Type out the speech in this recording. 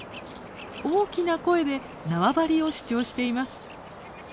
大きな声で縄張りを主張しています。